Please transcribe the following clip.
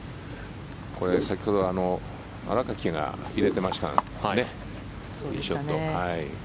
これ、先ほど新垣が入れていましたがティーショット。